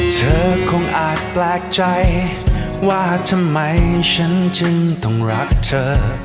เธอคงอาจแปลกใจว่าทำไมฉันจึงต้องรักเธอ